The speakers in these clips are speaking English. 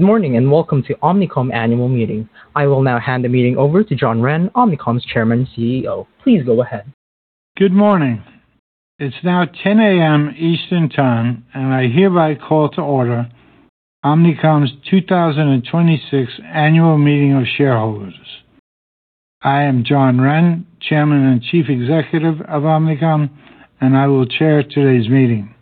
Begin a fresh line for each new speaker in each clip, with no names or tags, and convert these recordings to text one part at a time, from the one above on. Good morning. Welcome to Omnicom Annual Meeting. I will now hand the meeting over to John Wren, Omnicom's Chairman and CEO. Please go ahead.
Good morning. It's now 10:00 A.M. Eastern Time. I hereby call to order Omnicom's 2026 Annual Meeting of Shareholders. I am John Wren, Chairman and Chief Executive of Omnicom. I will chair today's meeting.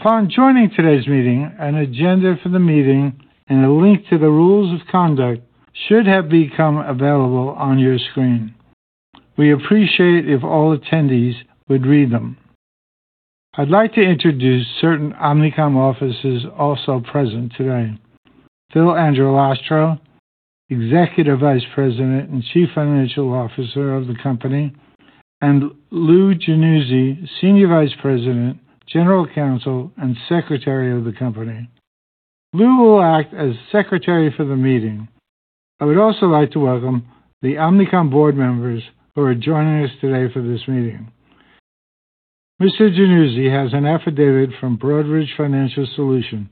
Upon joining today's meeting, an agenda for the meeting and a link to the rules of conduct should have become available on your screen. We appreciate if all attendees would read them. I'd like to introduce certain Omnicom officers also present today. Phil Angelastro, Executive Vice President and Chief Financial Officer of the company, and Lou Januzzi, Senior Vice President, General Counsel, and Secretary of the company. Lou will act as Secretary for the meeting. I would also like to welcome the Omnicom board members who are joining us today for this meeting. Mr. Januzzi has an affidavit from Broadridge Financial Solutions,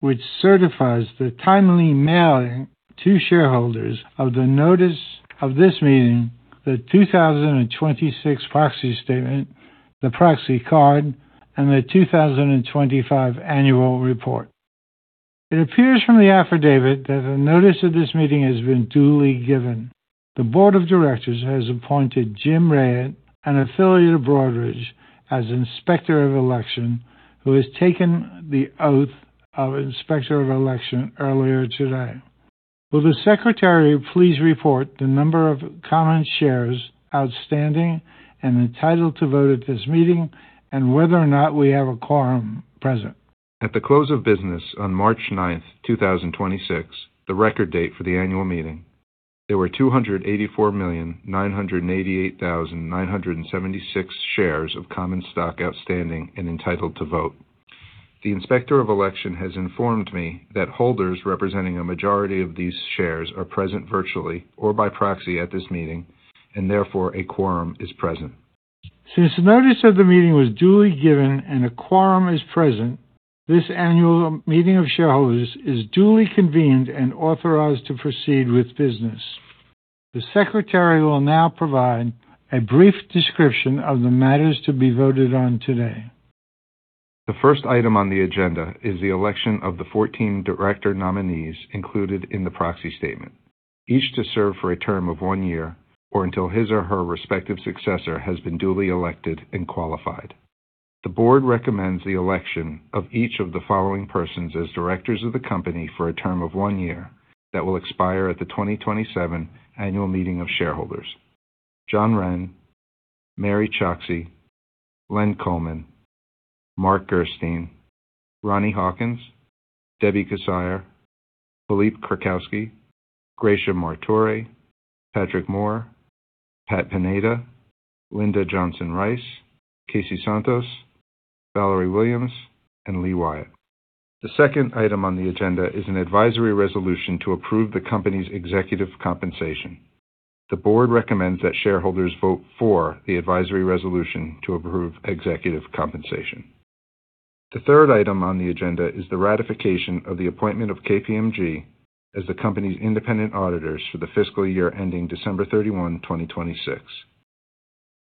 which certifies the timely mailing to shareholders of the notice of this meeting, the 2026 proxy statement, the proxy card, and the 2025 annual report. It appears from the affidavit that the notice of this meeting has been duly given. The Board of Directors has appointed James Retzko, an affiliate of Broadridge, as Inspector of Election, who has taken the oath of Inspector of Election earlier today. Will the Secretary please report the number of common shares outstanding and entitled to vote at this meeting and whether or not we have a quorum present?
At the close of business on March 9, 2026, the record date for the annual meeting, there were 284,988,976 shares of common stock outstanding and entitled to vote. The Inspector of Election has informed me that holders representing a majority of these shares are present virtually or by proxy at this meeting, and therefore a quorum is present.
Since notice of the meeting was duly given and a quorum is present, this annual meeting of shareholders is duly convened and authorized to proceed with business. The Secretary will now provide a brief description of the matters to be voted on today.
The first item on the agenda is the election of the 14 director nominees included in the proxy statement, each to serve for a term of one year or until his or her respective successor has been duly elected and qualified. The board recommends the election of each of the following persons as directors of the company for a term of one year that will expire at the 2027 annual meeting of shareholders. John Wren, Mary Choksi, Len Coleman, Mark Gerstein, Ronnie Hawkins, Debbie Kissire, Philippe Krakowsky, Gracia Martore, Patrick Moore, Pat Pineda, Linda Johnson Rice, Casey Santos, Valerie Williams, and Lee Wyatt. The second item on the agenda is an advisory resolution to approve the company's executive compensation. The board recommends that shareholders vote for the advisory resolution to approve executive compensation. The third item on the agenda is the ratification of the appointment of KPMG as the company's independent auditors for the fiscal year ending December 31, 2026.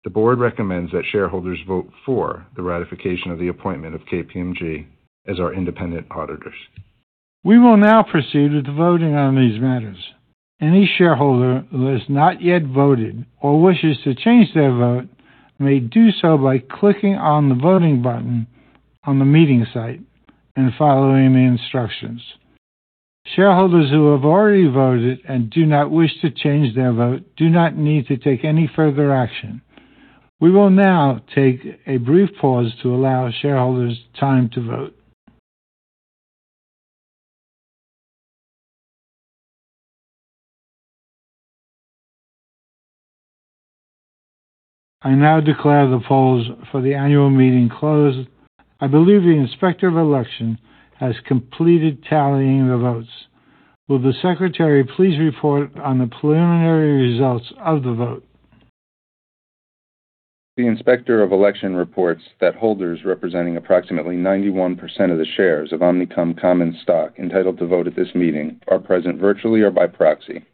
The board recommends that shareholders vote for the ratification of the appointment of KPMG as our independent auditors.
We will now proceed with the voting on these matters. Any shareholder who has not yet voted or wishes to change their vote may do so by clicking on the voting button on the meeting site and following the instructions. Shareholders who have already voted and do not wish to change their vote do not need to take any further action. We will now take a brief pause to allow shareholders time to vote. I now declare the polls for the annual meeting closed. I believe the Inspector of Election has completed tallying the votes. Will the Secretary please report on the preliminary results of the vote?
The Inspector of Election reports that holders representing approximately 91% of the shares of Omnicom common stock entitled to vote at this meeting are present virtually or by proxy.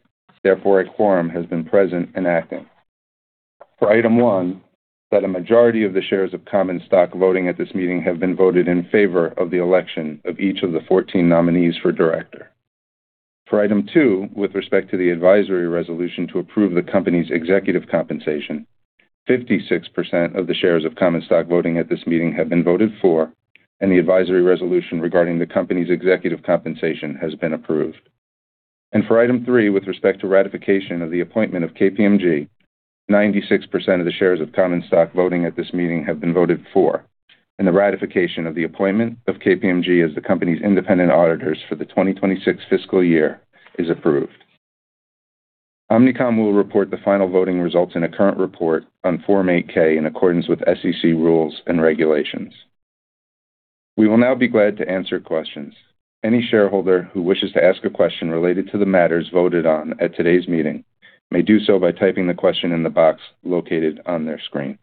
Therefore, a quorum has been present and acting. For item one, that a majority of the shares of common stock voting at this meeting have been voted in favor of the election of each of the 14 nominees for director. For item two, with respect to the advisory resolution to approve the company's executive compensation, 56% of the shares of common stock voting at this meeting have been voted for, and the advisory resolution regarding the company's executive compensation has been approved. For item three, with respect to ratification of the appointment of KPMG, 96% of the shares of common stock voting at this meeting have been voted for, and the ratification of the appointment of KPMG as the company's independent auditors for the 2026 fiscal year is approved. Omnicom will report the final voting results in a current report on Form 8-K in accordance with SEC rules and regulations. We will now be glad to answer questions. Any shareholder who wishes to ask a question related to the matters voted on at today's meeting may do so by typing the question in the box located on their screen.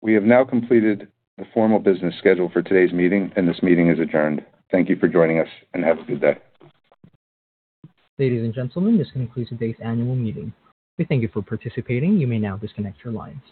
We have now completed the formal business schedule for today's meeting, and this meeting is adjourned. Thank you for joining us, and have a good day.
Ladies and gentlemen, this concludes today's annual meeting. We thank you for participating. You may now disconnect your line.